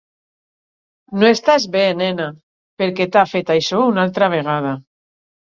No estàs bé, nena; per què t'ha fet això una altra vegada...